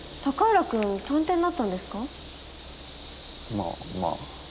まあまあ。